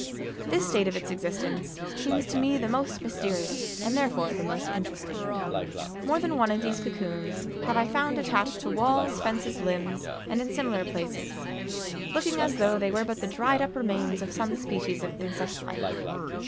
This state of its existence seems to me the most mysterious and therefore the most interesting. More than one of these cocoons have I found attached to walls, fences, limbs and in similar places, looking as though they were but the dried up remains of some species of insect life.